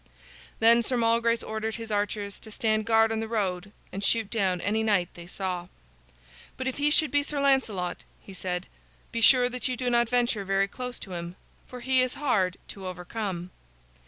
Then Sir Malgrace ordered his archers to stand guard on the road and shoot down any knight they saw. "But if he should be Sir Lancelot," he said, "be sure that you do not venture very close to him, for he is hard to overcome."